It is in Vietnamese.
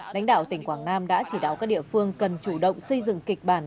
đánh đạo tỉnh quảng nam đã chỉ đáo các địa phương cần chủ động xây dựng kịch bản